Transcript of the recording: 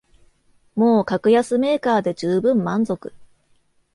もう格安メーカーでじゅうぶん満足